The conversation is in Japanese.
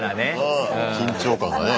うん緊張感がね